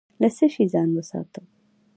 له څه شي ځان وساتم؟